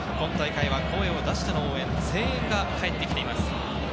今大会は声を出しての応援、声援が返ってきています。